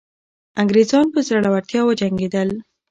انګریزان په زړورتیا وجنګېدل.